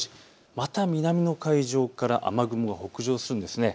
また南の海上から雨雲が北上するんです。